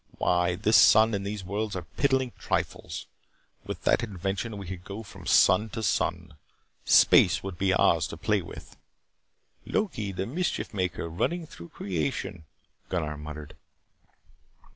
Why, this sun and these worlds are piddling trifles. With that invention we could go from sun to sun. Space would be ours to play with " "Loki, the Mischief Maker, running through creation " Gunnar muttered.